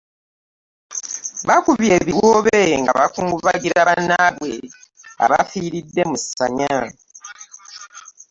Bakubye ebiwoobe nga bakungubagira bannaabwe abafiiridde mu ssanya.